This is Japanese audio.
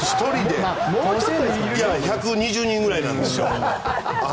いや１２０人ぐらいなんですよ。